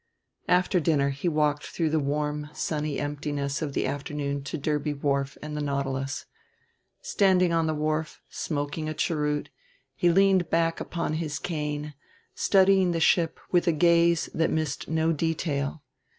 After dinner he walked through the warm sunny emptiness of the afternoon to Derby Wharf and the Nautilus. Standing on the wharf, smoking a cheroot, he leaned back upon his cane, studying the ship with a gaze that missed no detail.